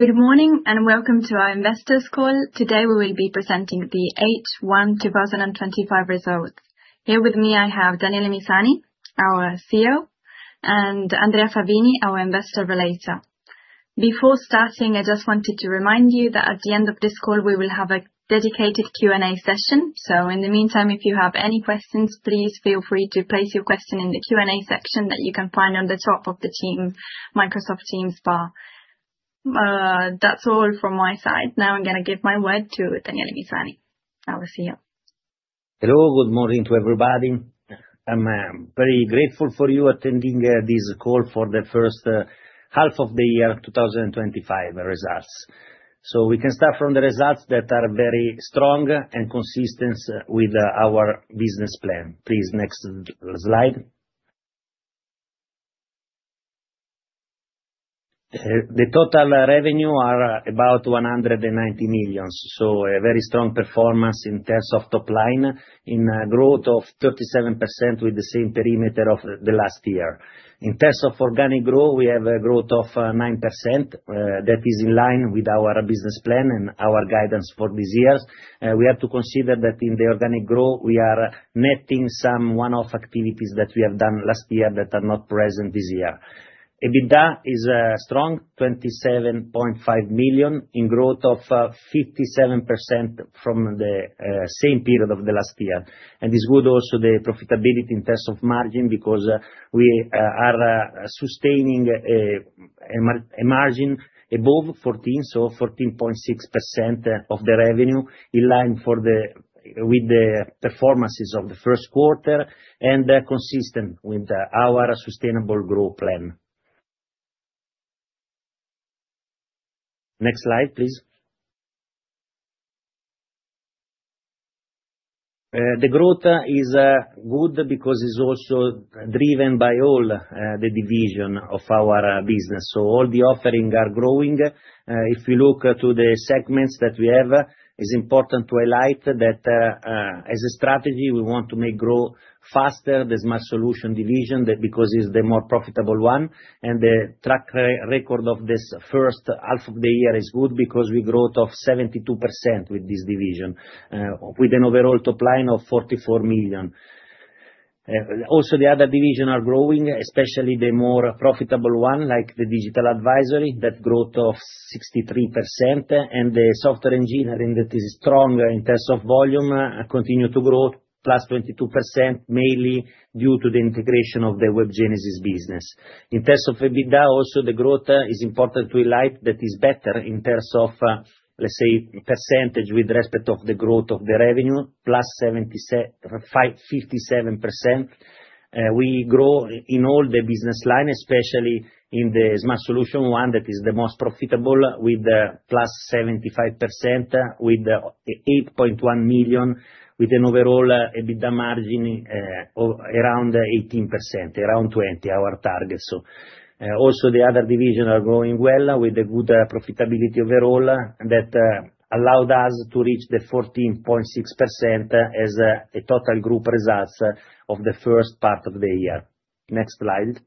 Good morning and welcome to our investors' call. Today we will be presenting the 8/1/2025 result. Here with me, I have Daniele Misani, our CEO, and Andrea Favini, our Investor Relator. Before starting, I just wanted to remind you that at the end of this call, we will have a dedicated Q&A session. In the meantime, if you have any questions, please feel free to place your question in the Q&A section that you can find on the top of the Microsoft Teams bar. That's all from my side. Now I'm going to give my word to Daniele Misani, our CEO. Hello, good morning to everybody. I'm very grateful for you attending this call for the first half of the year 2025 results. We can start from the results that are very strong and consistent with our business plan. Please, next slide. The total revenue is about 190 million, so a very strong performance in terms of top line in a growth of 37% with the same perimeter of the last year. In terms of organic growth, we have a growth of 9% that is in line with our business plan and our guidance for this year. We have to consider that in the organic growth, we are netting some one-off activities that we have done last year that are not present this year. EBITDA is strong, 27.5 million in growth of 57% from the same period of the last year. It's good also the profitability in terms of margin because we are sustaining a margin above 14%, so 14.6% of the revenue in line with the performances of the first quarter and consistent with our sustainable growth plan. Next slide, please. The growth is good because it's also driven by all the divisions of our business. All the offerings are growing. If we look to the segments that we have, it's important to highlight that as a strategy, we want to make growth faster, the Smart Solutions division, because it's the more profitable one. The track record of this first half of the year is good because we grow at 72% with this division, with an overall top line of 44 million. Also, the other divisions are growing, especially the more profitable one, like the Digital Advisory, that grows at 63%. The Software Engineering that is strong in terms of volume continues to grow at +22%, mainly due to the integration of the Webgenesys business. In terms of EBITDA, also the growth is important to highlight that it's better in terms of, let's say, percentage with respect to the growth of the revenue, +57%. We grow in all the business lines, especially in the Smart Solutions one that is the most profitable, with +75%, with 8.1 million, with an overall EBITDA margin of around 18%, around 20%, our target. Also, the other divisions are growing well with a good profitability overall that allowed us to reach the 14.6% as a total group result of the first part of the year. Next slide.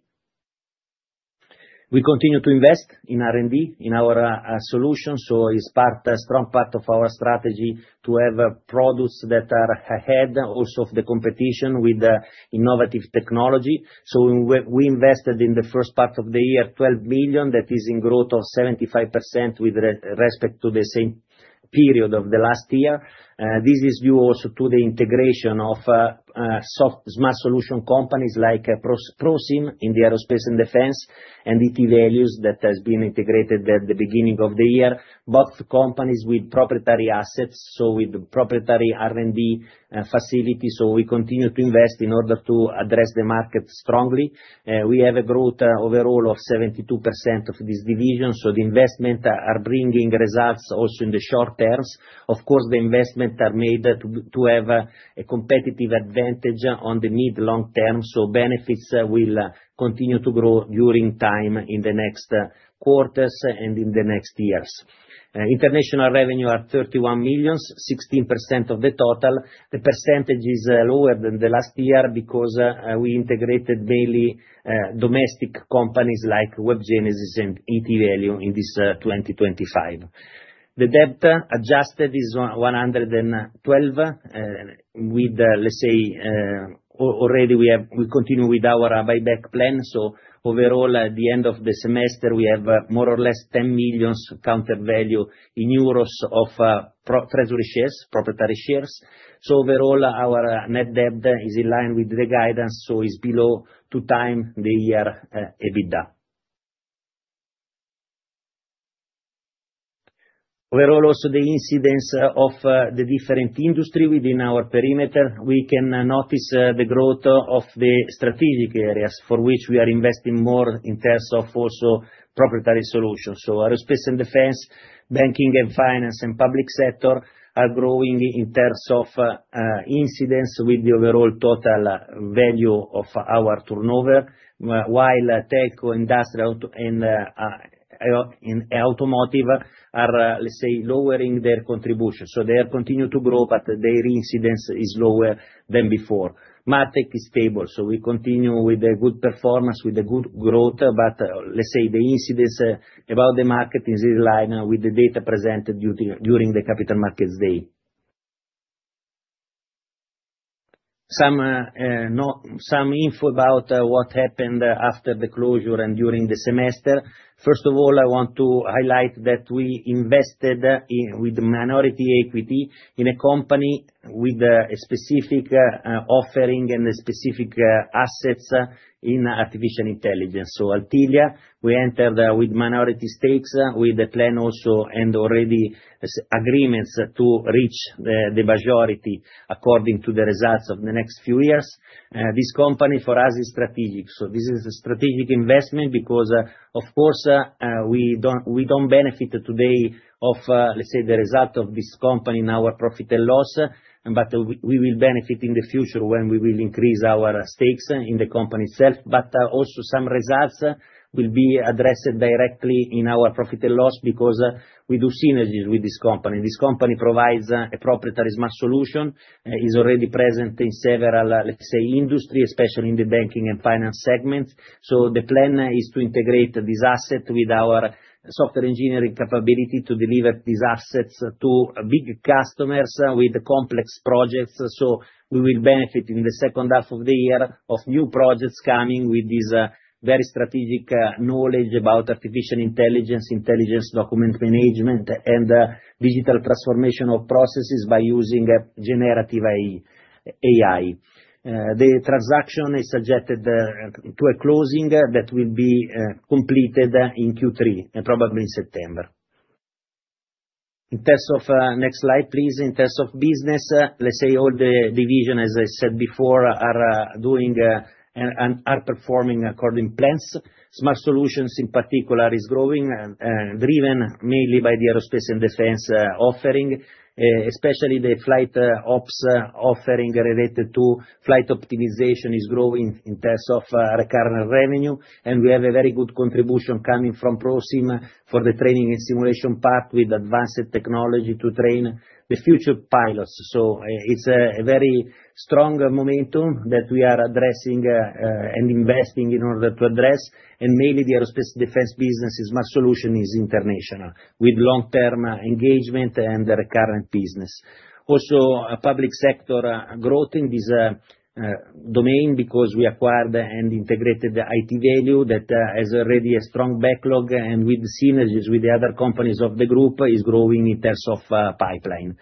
We continue to invest in R&D in our solutions. It's part of a strong part of our strategy to have products that are ahead also of the competition with innovative technology. We invested in the first part of the year 12 million, that is a growth of 75% with respect to the same period of last year. This is due also to the integration of software Smart Solutions companies like ProSim in aerospace and defense and IT Value that has been integrated at the beginning of the year, both companies with proprietary assets, so with proprietary R&D facilities. We continue to invest in order to address the market strongly. We have a growth overall of 72% of this division. The investments are bringing results also in the short term. Of course, the investments are made to have a competitive advantage in the mid-long term. Benefits will continue to grow during time in the next quarters and in the next years. International revenue is 31 million, 16% of the total. The percentage is lower than last year because we integrated mainly domestic companies like Webgenesys and IT Value in this 2025. The debt adjusted is 112 million, with, let's say, already we continue with our buyback plan. Overall, at the end of the semester, we have more or less 10 million counter value in euros of treasury shares, proprietary shares. Overall, our net debt is in line with the guidance, so it's below two times the year EBITDA. Also, the incidence of the different industries within our perimeter, we can notice the growth of the strategic areas for which we are investing more in terms of also proprietary solutions. Aerospace and defense, banking and finance, and public sector are growing in terms of incidence with the overall total value of our turnover, while tech and automotive are, let's say, lowering their contribution. They continue to grow, but their incidence is lower than before. Market is stable, we continue with a good performance, with a good growth, but the incidence about the market is in line with the data presented during the Capital Markets Day. Some info about what happened after the closure and during the semester. First of all, I want to highlight that we invested with minority equity in a company with a specific offering and specific assets in artificial intelligence. ALTIVIA, we entered with minority stakes with the plan also and already agreements to reach the majority according to the results of the next few years. This company for us is strategic. This is a strategic investment because, of course, we don't benefit today from, let's say, the result of this company in our profit and loss, but we will benefit in the future when we will increase our stakes in the company itself. Also, some results will be addressed directly in our profit and loss because we do synergy with this company. This company provides a proprietary smart solution, is already present in several, let's say, industries, especially in the banking and finance segments. The plan is to integrate this asset with our software engineering capability to deliver these assets to big customers with complex projects. We will benefit in the second half of the year from new projects coming with this very strategic knowledge about artificial intelligence, intelligent document management, and digital transformation of processes by using generative AI. The transaction is subject to a closing that will be completed in Q3 and probably in September. In terms of business, let's say all the divisions, as I said before, are doing and are performing according to plans. Smart Solutions in particular are growing and driven mainly by the aerospace and defense offering, especially the flight ops offering related to flight optimization, which is growing in terms of recurrent revenue. We have a very good contribution coming from ProSim for the training and simulation part with advanced technology to train the future pilots. It's a very strong momentum that we are addressing and investing in order to address. Mainly the aerospace and defense business, Smart Solutions is international with long-term engagement and recurrent business. Also, public sector growth in this domain because we acquired and integrated IT Value that has already a strong backlog and with the synergies with the other companies of the group is growing in terms of pipeline.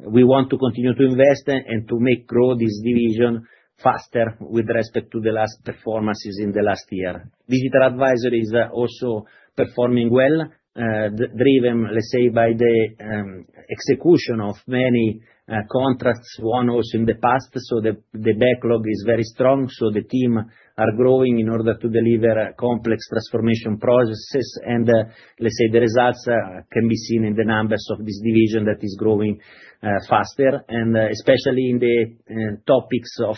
We want to continue to invest and to make grow this division faster with respect to the last performances in the last year. Digital Advisory is also performing well, driven, let's say, by the execution of many contracts, one also in the past. The backlog is very strong. The team is growing in order to deliver complex transformation processes. The results can be seen in the numbers of this division that is growing faster. Especially in the topics of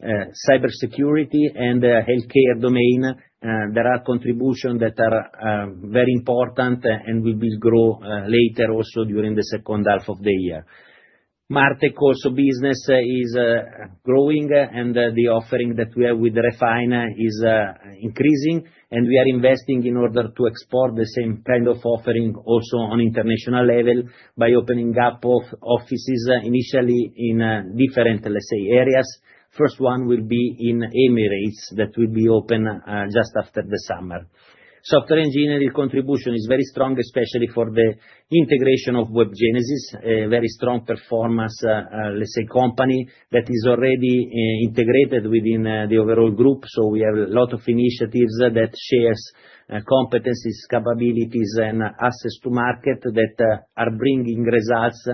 cybersecurity and healthcare domain, there are contributions that are very important and will grow later also during the second half of the year. MarTech also business is growing, and the offering that we have with Refine is increasing. We are investing in order to export the same kind of offering also on an international level by opening up offices initially in different, let's say, areas. The first one will be in Emirates. That will be open just after the summer. Software engineering contribution is very strong, especially for the integration of Webgenesys, a very strong performance, let's say, company that is already integrated within the overall group. We have a lot of initiatives that share competencies, capabilities, and assets to market that are bringing results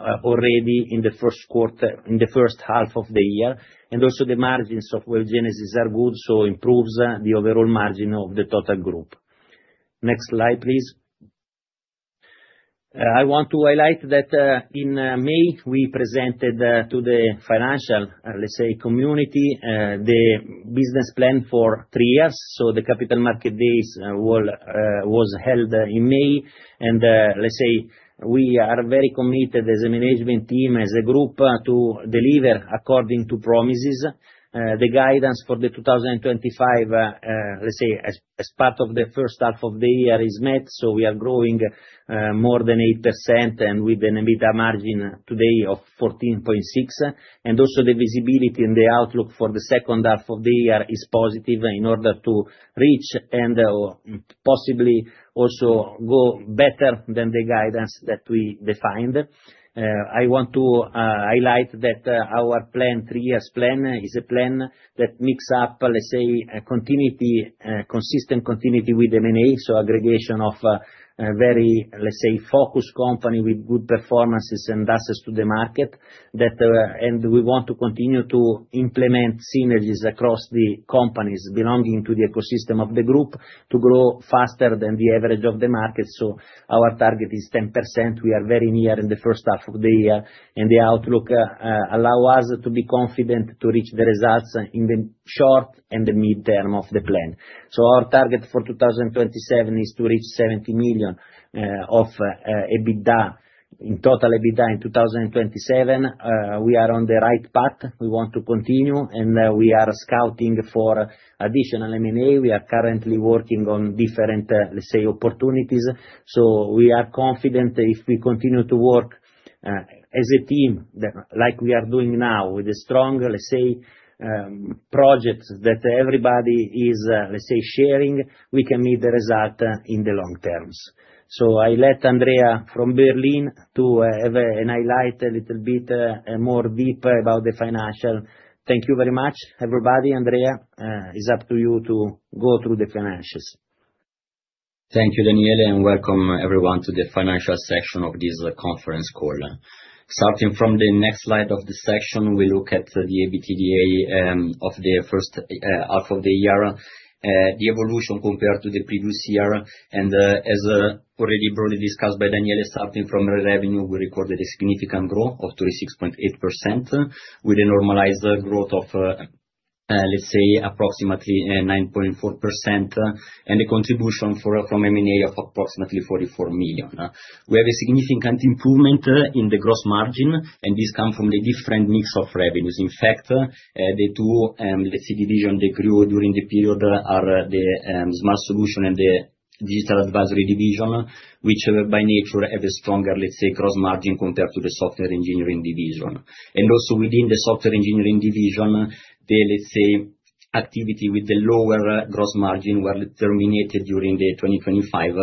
already in the first quarter, in the first half of the year. Also, the margins of Webgenesys are good, so it improves the overall margin of the total group. Next slide, please. I want to highlight that in May, we presented to the financial, let's say, community the business plan for three years. The Capital Market Days was held in May. We are very committed as a management team, as a group, to deliver according to promises. The guidance for 2025, let's say, as part of the first half of the year is met. We are growing more than 8% and with an EBITDA margin today of 14.6%. Also, the visibility and the outlook for the second half of the year is positive in order to reach and possibly also go better than the guidance that we defined. I want to highlight that our plan, three years plan, is a plan that makes up, let's say, a continuity, consistent continuity with M&A. Aggregation of a very, let's say, focused company with good performances and assets to the market. We want to continue to implement synergies across the companies belonging to the ecosystem of the group to grow faster than the average of the market. Our target is 10%. We are very near in the first half of the year, and the outlook allows us to be confident to reach the results in the short and the mid-term of the plan. Our target for 2027 is to reach 70 million of EBITDA. In total EBITDA in 2027, we are on the right path. We want to continue, and we are scouting for additional M&A. We are currently working on different, let's say, opportunities. We are confident if we continue to work as a team like we are doing now with a strong, let's say, project that everybody is, let's say, sharing, we can meet the result in the long term. I let Andrea from Berlin have a highlight a little bit more deep about the financial. Thank you very much, everybody. Andrea, it's up to you to go through the financials. Thank you, Daniele, and welcome everyone to the financial session of this conference call. Starting from the next slide of the session, we look at the EBITDA of the first half of the year, the evolution compared to the previous year. As already broadly discussed by Daniele, starting from revenue, we recorded a significant growth of 36.8% with a normalized growth of, let's say, approximately 9.4% and a contribution from M&A of approximately $44 million. We have a significant improvement in the gross margin, and this comes from the different mix of revenues. In fact, the two, let's say, divisions that grew during the period are the Smart Solutions and the Digital Advisory division, which by nature have a stronger, let's say, gross margin compared to the Software Engineering division. Also within the Software Engineering division, the, let's say, activity with the lower gross margin were terminated during 2025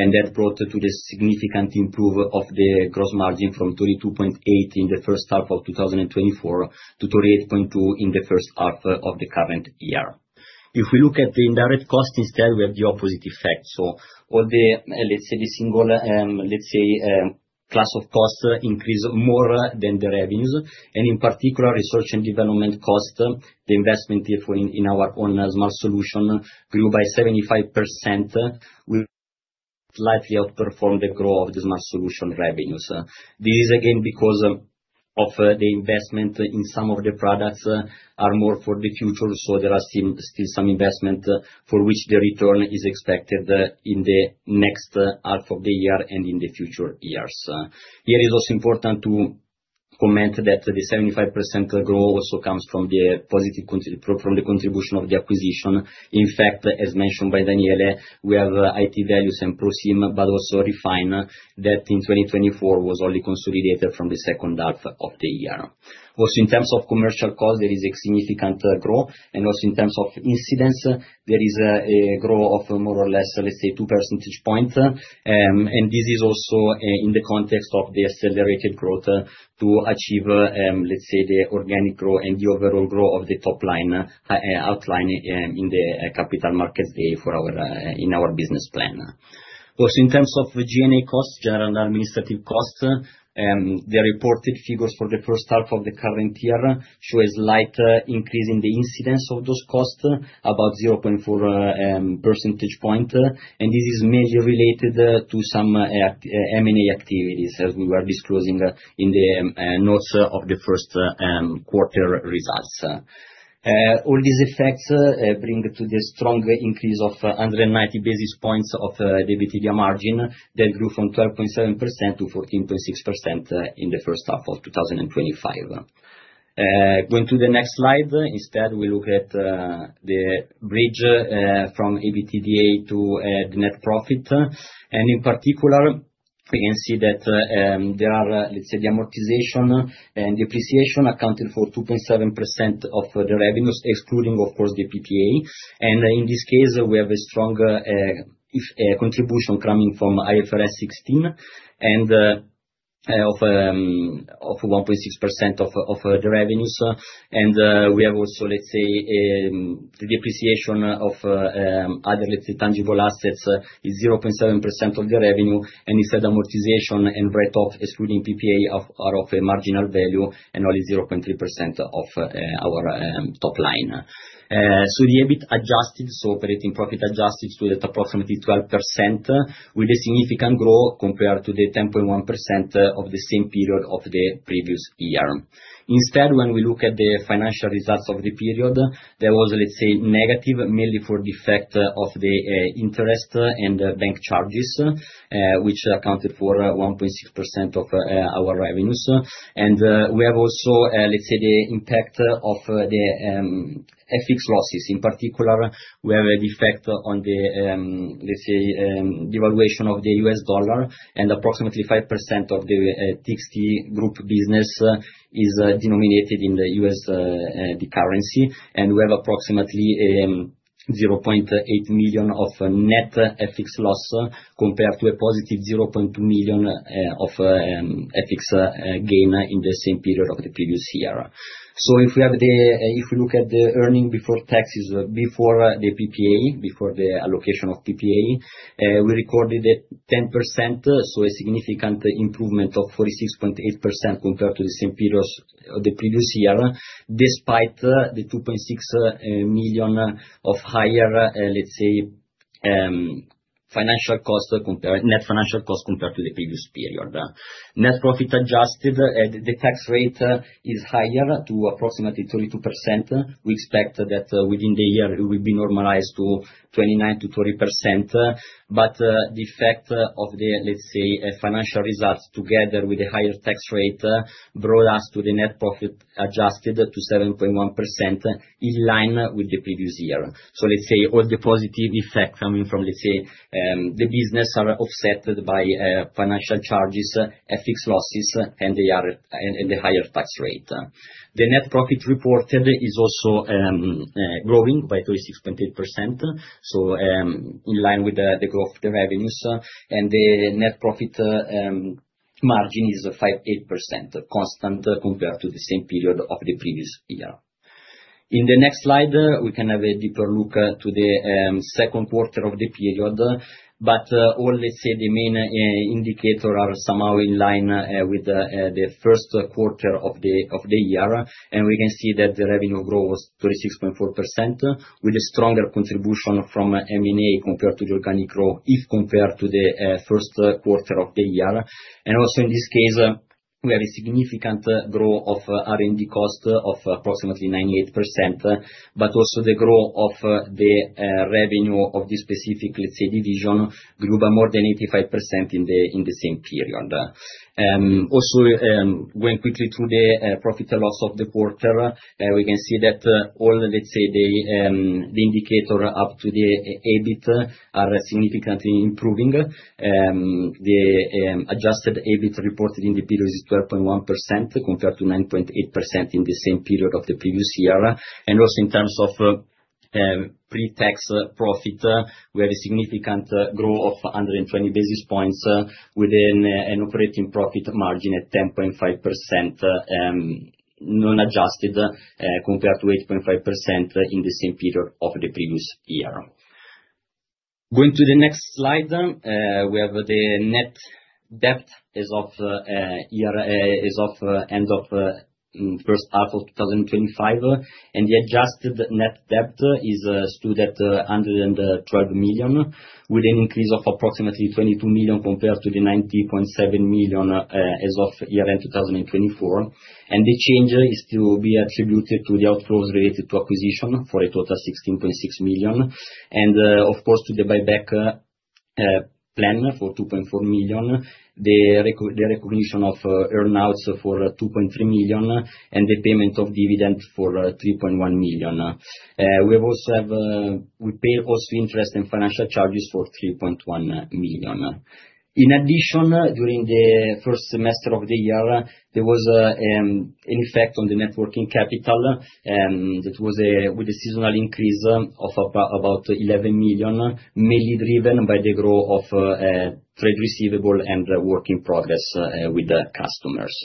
and that brought to the significant improvement of the gross margin from 32.8% in the first half of 2024 to 38.2% in the first half of the current year. If we look at the indirect cost instead, we have the opposite effect. All the, let's say, the single, let's say, class of costs increase more than the revenues. In particular, research and development costs, the investment effort in our own Smart Solutions grew by 75%, which slightly outperformed the growth of the Smart Solutions revenues. This is again because of the investment in some of the products are more for the future. There are still some investments for which the return is expected in the next half of the year and in the future years. Here it is also important to comment that the 75% growth also comes from the positive contribution of the acquisition. In fact, as mentioned by Daniele, we have IT Value and ProSim, but also Refine that in 2024 was only consolidated from the second half of the year. Also, in terms of commercial costs, there is a significant growth. In terms of incidence, there is a growth of more or less, let's say, two percentage points. This is also in the context of the accelerated growth to achieve, let's say, the organic growth and the overall growth of the top line outlined in the Capital Markets Day for our business plan. In terms of G&A costs, general and administrative costs, the reported figures for the first half of the current year show a slight increase in the incidence of those costs, about 0.4 percentage points. This is mainly related to some M&A activities, as we were disclosing in the notes of the first quarter results. All these effects bring a strong increase of 190 basis points of the EBITDA margin that grew from 12.7% to 14.6% in the first half of 2025. Going to the next slide, we look at the bridge from EBITDA to the net profit. In particular, we can see that the amortization and depreciation accounted for 2.7% of the revenues, excluding, of course, the PPA. In this case, we have a strong contribution coming from IFRS 16 of 1.6% of the revenues. We also have the depreciation of other tangible assets, which is 0.7% of the revenue. Amortization and breadth, excluding PPA, are of marginal value and only 0.3% of our top line. The EBITDA adjusted, so operating profit adjusted to that, is approximately 12% with significant growth compared to the 10.1% of the same period of the previous year. When we look at the financial results of the period, they were negative mainly for the effect of the interest and bank charges, which accounted for 1.6% of our revenues. We also have the impact of the FX losses. In particular, we have an effect on the valuation of the U.S. dollar. Approximately 5% of the TXT group business is denominated in the U.S. currency. We have approximately 0.8 million of net FX loss compared to a positive 0.2 million of FX gain in the same period of the previous year. If we look at the earnings before taxes, before the PPA, before the allocation of PPA, we recorded 10%. This is a significant improvement of 46.8% compared to the same period of the previous year, despite the EUR 2.6 million of higher net financial costs compared to the previous period. Net profit adjusted, the tax rate is higher at approximately 32%. We expect that within the year, it will be normalized to 29%-30%. The effect of the financial results together with the higher tax rate brought us to the net profit adjusted to 7.1%, in line with the previous year. All the positive effects coming from the business are offset by financial charges, FX losses, and the higher tax rate. The net profit reported is also growing by 36.8%, in line with the growth of the revenues, and the net profit margin is 5%-8% constant compared to the same period of the previous year. In the next slide, we can have a deeper look at the second quarter of the period. All, let's say, the main indicators are somehow in line with the first quarter of the year. We can see that the revenue growth was 36.4% with a stronger contribution from M&A compared to the organic growth if compared to the first quarter of the year. Also, in this case, we had a significant growth of R&D cost of approximately 98%. The growth of the revenue of this specific, let's say, division grew by more than 85% in the same period. Also, going quickly through the profit and loss of the quarter, we can see that all, let's say, the indicators up to the EBITDA are significantly improving. The adjusted EBITDA reported in the period is 12.1% compared to 9.8% in the same period of the previous year. Also, in terms of pre-tax profit, we have a significant growth of 120 basis points with an operating profit margin at 10.5% non-adjusted compared to 8.5% in the same period of the previous year. Going to the next slide, we have the net debt as of the end of the first half of 2025. The adjusted net debt stood at 112 million with an increase of approximately 22 million compared to the 90.7 million as of year end 2024. The change is to be attributed to the outflows related to acquisition for a total of 16.6 million, the buyback plan for 2.4 million, the recognition of earnouts for 2.3 million, and the payment of dividends for 3.1 million. We also paid interest and financial charges for 3.1 million. In addition, during the first semester of the year, there was an effect on the net working capital that was with a seasonal increase of about 11 million, mainly driven by the growth of trade receivable and work in progress with the customers.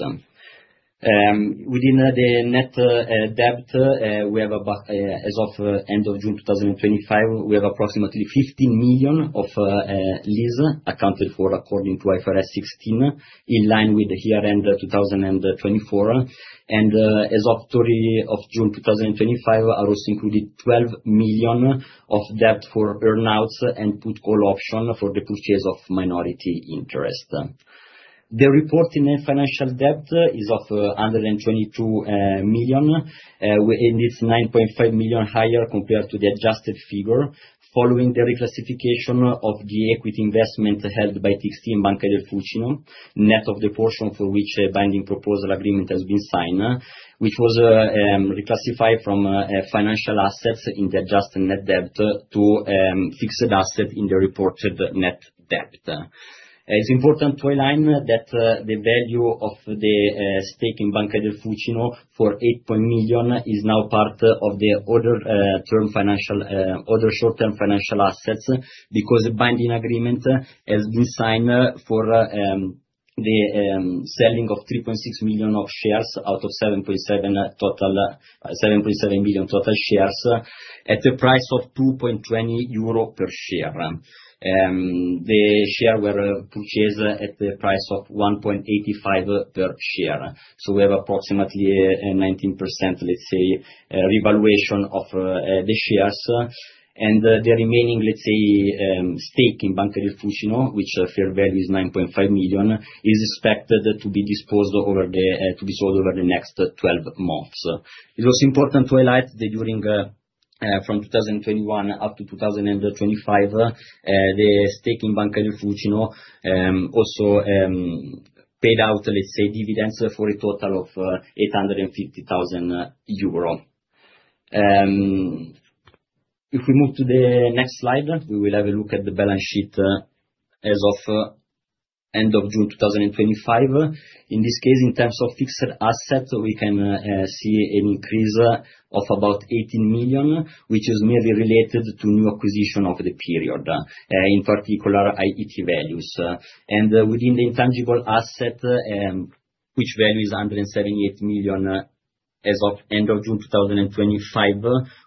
Within the net debt as of the end of June 2025, we have approximately 15 million of leases accounted for according to IFRS 16 in line with year end 2024. As of the 30th of June 2025, I also included 12 million of debt for earnouts and put call option for the purchase of minority interest. The reported net financial debt is 122 million. We ended 9.5 million higher compared to the adjusted figure following the reclassification of the equity investment held by TXT in Banca del Fucino, net of the portion for which a binding proposal agreement has been signed, which was reclassified from financial assets in the adjusted net debt to fixed assets in the reported net debt. It's important to align that the value of the stake in Banca del Fucino for 8.1 million is now part of the other short-term financial assets because the binding agreement has been signed for the selling of EUR 3.6 million of shares out of 7.7 million total shares at a price of 2.20 euro per share. The shares were purchased at a price of 1.85 per share. We have approximately 19% revaluation of the shares. The remaining stake in Banca del Fucino, which is a fair value of 9.5 million, is expected to be sold over the next 12 months. It's also important to highlight that from 2021 up to 2025, the stake in Banca del Fucino also paid out dividends for a total of 850,000 euro. If we move to the next slide, we will have a look at the balance sheet as of the end of June 2025. In this case, in terms of fixed assets, we can see an increase of about 18 million, which is mainly related to new acquisitions over the period, in particular, IT Value Srl. Within the intangible assets, which value is 178 million as of the end of June 2025,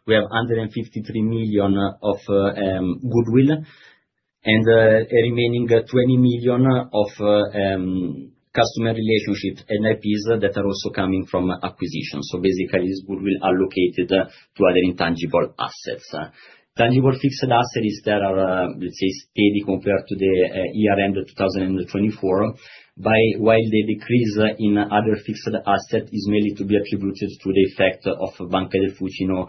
we have 153 million of goodwill and a remaining 20 million of customer relationships, NLPs that are also coming from acquisitions. Basically, goodwill allocated to other intangible assets. Tangible fixed assets are steady compared to the year end 2024, while the decrease in other fixed assets is mainly to be attributed to the effect of Banca del Fucino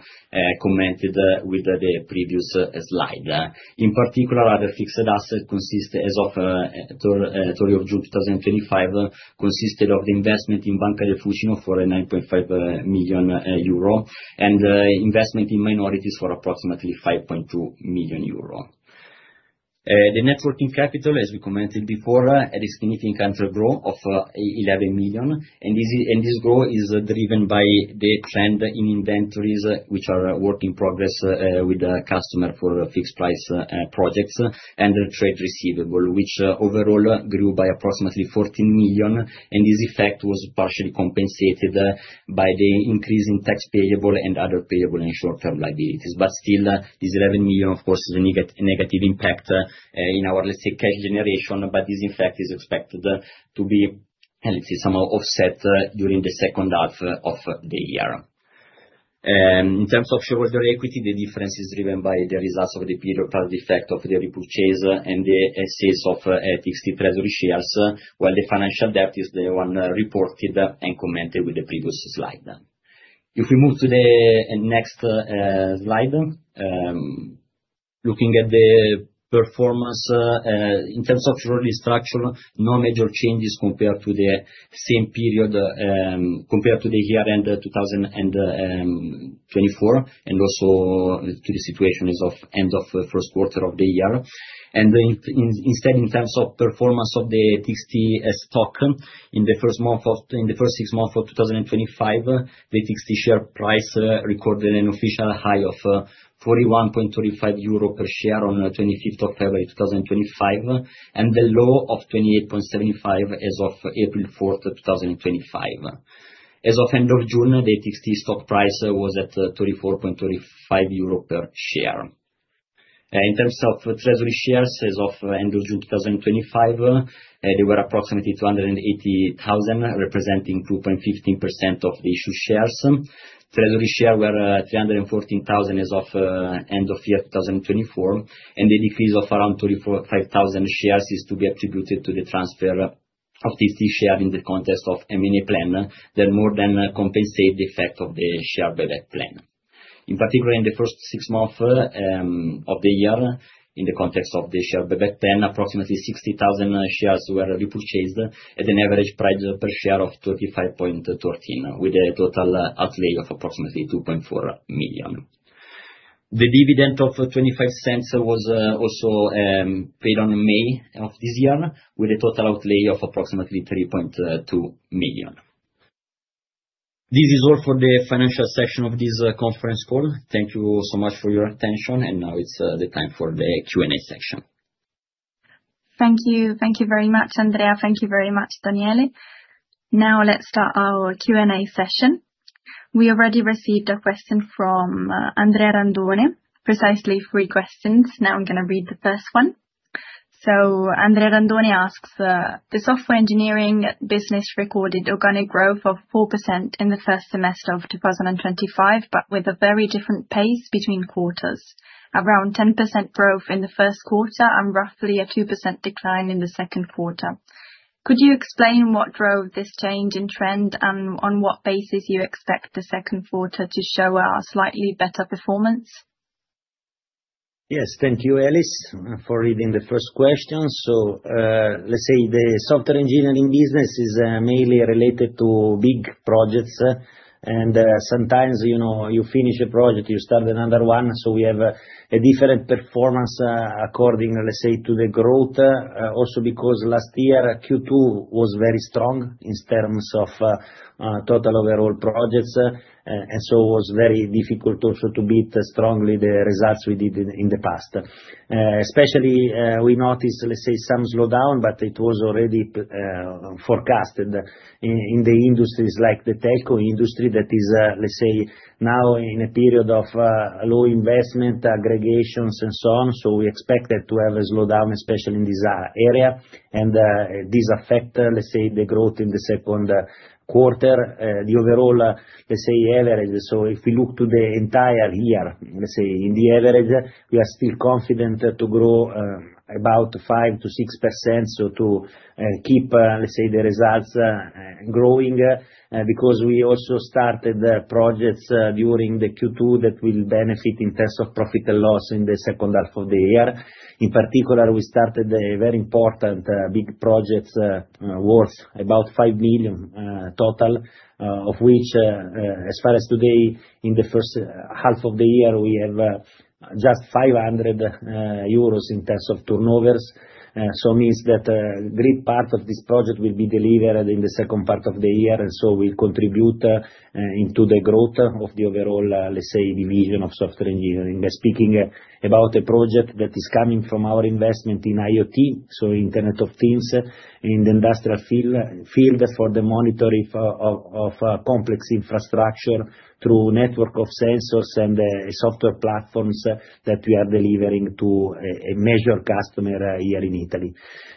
commented with the previous slide. In particular, other fixed assets as of the 30th of June 2025 consisted of the investment in Banca del Fucino for 9.5 million euro and investment in minorities for approximately 5.2 million euro. The net working capital, as we commented before, had a significant growth of 11 million. This growth is driven by the trend in inventories, which are work in progress with the customer for fixed price projects and the trade receivable, which overall grew by approximately 14 million. This effect was partially compensated by the increase in tax payable and other payable and short-term liabilities. This 11 million, of course, is a negative impact in our, let's say, cash generation. This, in fact, is expected to be, let's say, somehow offset during the second half of the year. In terms of shareholder equity, the difference is driven by the results of the period, the cloud effect of the repurchase, and the sales of TXT treasury shares, while the financial debt is the one reported and commented with the previous slide. If we move to the next slide, looking at the performance in terms of shareholder structure, no major changes compared to the same period, compared to the year end 2024, and also to the situation as of the end of the first quarter of the year. Instead, in terms of performance of the TXT stock in the first six months of 2025, the TXT share price recorded an official high of 41.35 euro per share on February 25, 2025, and a low of 28.75 as of April 4, 2025. As of the end of June, the TXT stock price was at 34.35 euro per share. In terms of treasury shares, as of the end of June 2025, they were approximately 280,000, representing 2.15% of the issued shares. Treasury shares were 314,000 as of the end of year 2024. The decrease of around 35,000 shares is to be attributed to the transfer of TXT shares in the context of the M&A plan that more than compensated the effect of the share buyback plan. In particular, in the first six months of the year, in the context of the share buyback plan, approximately 60,000 shares were repurchased at an average price per share of 25.13, with a total outlay of approximately 2.4 million. The dividend of 0.25 was also paid in May of this year, with a total outlay of approximately 3.2 million. This is all for the financial section of this conference call. Thank you so much for your attention. Now it's the time for the Q&A session. Thank you. Thank you very much, Andrea. Thank you very much, Daniele. Now let's start our Q&A session. We already received a question from Andrea Randoni, precisely three questions. I'm going to read the first one. Andrea Randoni asks, "The software engineering business recorded organic growth of 4% in the first semester of 2025, but with a very different pace between quarters, around 10% growth in the first quarter and roughly a 2% decline in the second quarter. Could you explain what drove this change in trend and on what basis you expect the second quarter to show a slightly better performance? Yes, thank you, Alice, for reading the first question. Let's say the software engineering business is mainly related to big projects. Sometimes, you finish a project, you start another one. We have a different performance according, let's say, to the growth. Also, because last year, Q2 was very strong in terms of total overall projects, it was very difficult also to beat strongly the results we did in the past. Especially, we noticed, let's say, some slowdown, but it was already forecasted in the industries like the tech industry that is, let's say, now in a period of low investment, aggregations, and so on. We expect it to have a slowdown, especially in this area. This affects, let's say, the growth in the second quarter, the overall, let's say, average. If we look to the entire year, let's say, in the average, we are still confident to grow about 5%-6%. To keep, let's say, the results growing because we also started projects during the Q2 that will benefit in terms of profit and loss in the second half of the year. In particular, we started very important big projects worth about 5 million total, of which, as far as today, in the first half of the year, we have just 500,000 euros in terms of turnovers. It means that a great part of this project will be delivered in the second part of the year. We contribute into the growth of the overall, let's say, division of Software Engineering. Speaking about a project that is coming from our investment in IoT, so Internet of Things in the industrial field for the monitoring of complex infrastructure through a network of sensors and software platforms that we are delivering to a major customer here in Italy.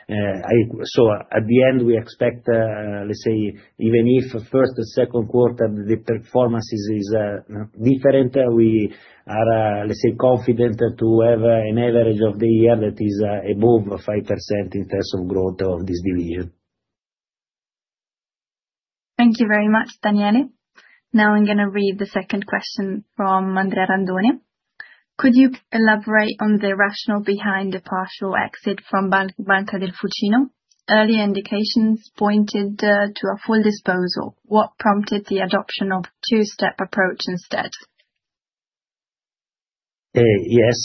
At the end, we expect, let's say, even if the first and second quarter performance is different, we are, let's say, confident to have an average of the year that is above 5% in terms of growth of this division. Thank you very much, Daniele. Now I'm going to read the second question from Andrea Randoni. "Could you elaborate on the rationale behind the partial exit from Banca del Fucino? Earlier indications pointed to a full disposal. What prompted the adoption of a two-step approach instead? Yes.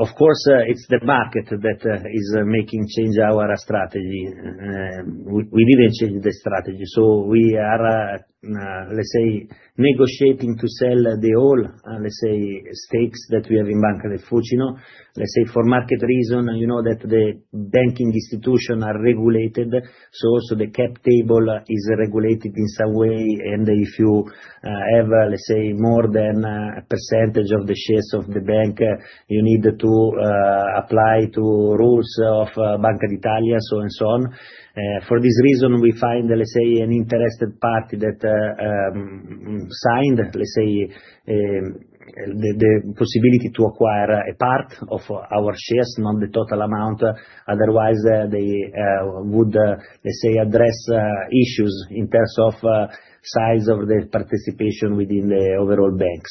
Of course, it's the market that is making us change our strategy. We didn't change the strategy. We are, let's say, negotiating to sell all, let's say, stakes that we have in Banca del Fucino. Let's say for market reasons, you know that the banking institutions are regulated. Also, the cap table is regulated in some way. If you have, let's say, more than a percentage of the shares of the bank, you need to apply to rules of Banca d'Italia, so on and so on. For this reason, we find, let's say, an interested party that signed, let's say, the possibility to acquire a part of our shares, not the total amount. Otherwise, they would, let's say, address issues in terms of the size of the participation within the overall bank.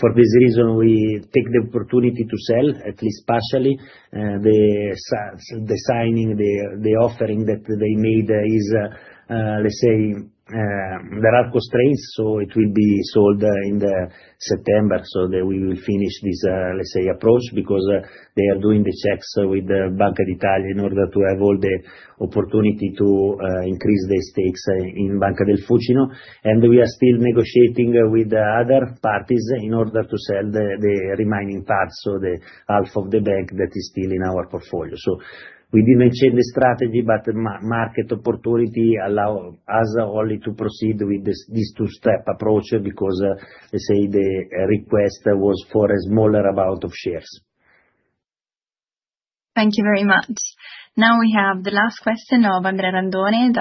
For this reason, we take the opportunity to sell at least partially. The signing, the offering that they made is, let's say, there are constraints. It will be sold in September so that we will finish this, let's say, approach because they are doing the checks with Banca d'Italia in order to have all the opportunity to increase the stakes in Banca del Fucino. We are still negotiating with other parties in order to sell the remaining parts of the half of the bank that is still in our portfolio. We didn't change the strategy, but market opportunity allowed us only to proceed with this two-step approach because, let's say, the request was for a smaller amount of shares. Thank you very much. Now we have the last question of Andrea Randoni.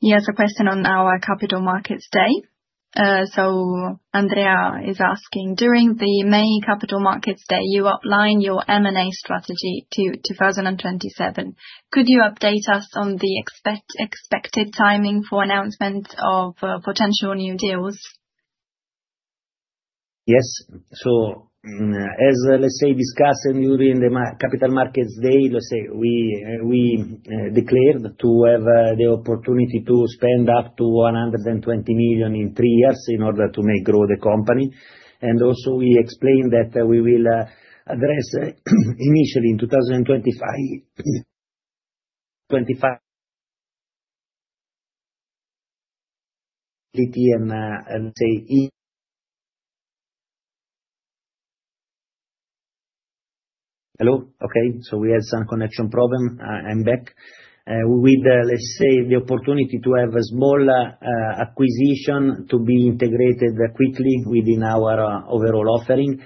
He has a question on our Capital Markets Day. Andrea is asking, "During the May Capital Markets Day, you outlined your M&A strategy to 2027. Could you update us on the expected timing for announcement of potential new deals? Yes. As discussed during the Capital Markets Day, we declared to have the opportunity to spend up to 120 million in three years in order to make growth the company. We explained that we will address initially in 2025. Hello? Okay. We had some connection problem. I'm back. We will have the opportunity to have a small acquisition to be integrated quickly within our overall offering.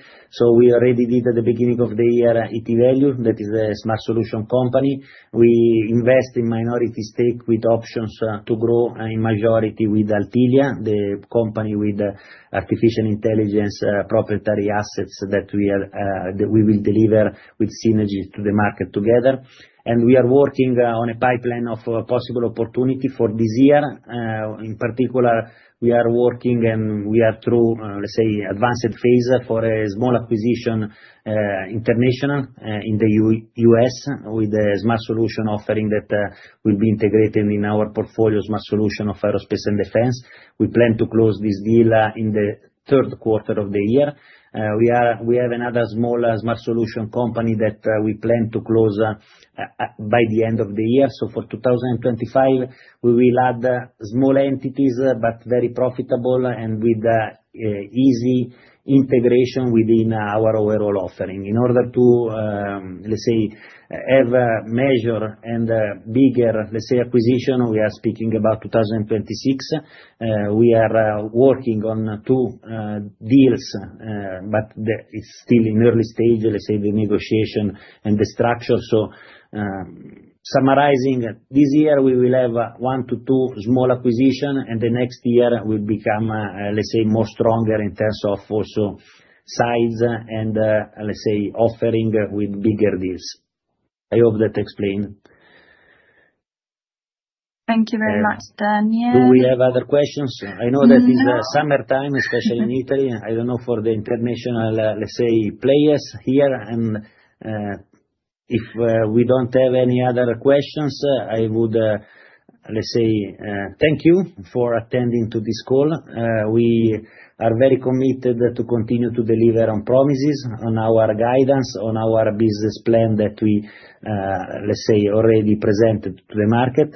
We already did at the beginning of the year IT Value. That is a Smart Solutions company. We invest in minority stake with options to grow in majority with ALTIVIA, the company with artificial intelligence proprietary assets that we will deliver with synergies to the market together. We are working on a pipeline of possible opportunities for this year. In particular, we are working and we are through advanced phase for a small acquisition, international in the U.S. with a Smart Solutions offering that will be integrated in our portfolio Smart Solutions of aerospace and defense. We plan to close this deal in the third quarter of the year. We have another small Smart Solutions company that we plan to close by the end of the year. For 2025, we will add small entities, but very profitable and with easy integration within our overall offering. In order to have a major and bigger acquisition, we are speaking about 2026. We are working on two deals, but it's still in early stage, the negotiation and the structure. Summarizing, this year we will have one to two small acquisitions and the next year will become more stronger in terms of also size and offering with bigger deals. I hope that explains. Thank you very much, Daniele. Do we have other questions? I know that it's summertime, especially in Italy. I don't know for the international, let's say, players here. If we don't have any other questions, I would thank you for attending to this call. We are very committed to continue to deliver on promises, on our guidance, on our business plan that we already presented to the market.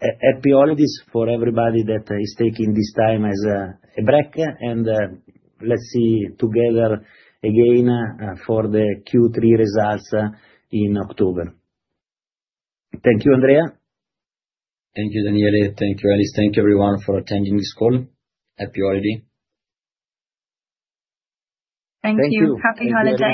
Happy holidays for everybody that is taking this time as a break. Let's see together again for the Q3 results in October. Thank you, Andrea. Thank you, Daniele. Thank you, Alice. Thank you, everyone, for attending this call. Happy holiday. Thank you. Happy holidays.